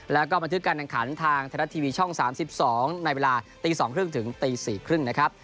แล้วก็บันทึกการขันทางไทยรัฐทีวีช่อง๓๒ในเวลาตี๒ครึ่งถึงตี๔ครึ่งนะครับ